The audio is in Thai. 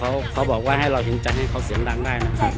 แล้วพี่เจอทำอย่างไรพี่เจนจัยคนรอบข้างมากไงคะพี่มาเที่ยว